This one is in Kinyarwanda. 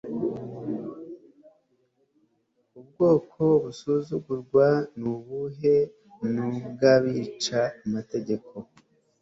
ubwoko busuzugurwa ni ubuhe? ni ubw'abica amategeko